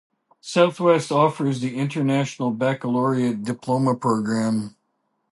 Southwest offers the International Baccalaureate Diploma Programme.